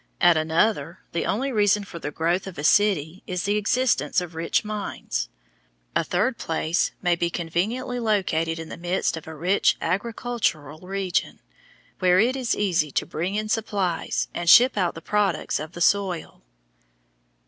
At another, the only reason for the growth of a city is the existence of rich mines. A third place may be conveniently located in the midst of a rich agricultural region, where it is easy to bring in supplies and ship out the products of the soil.